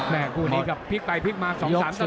และคู่นี้ครับพลิกไปพลิกมา๒๓สลบเหมือนกัน